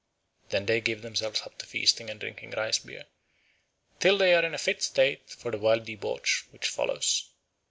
Then they give themselves up to feasting and drinking rice beer, till they are in a fit state for the wild debauch which follows.